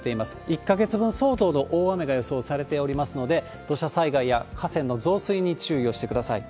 １か月分相当の大雨が予想されておりますので、土砂災害や河川の増水に注意をしてください。